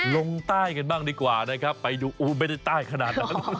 ลงใต้กันบ้างดีกว่านะครับไปดูไม่ได้ใต้ขนาดนั้น